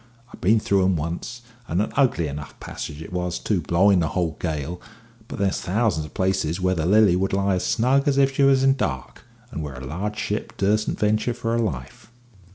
I've been through 'em once, and an ugly enough passage it was too, blowing a whole gale; but there's thousands of places where the Lily would lie as snug as if she was in dock, but where a large ship dursen't venture for her life."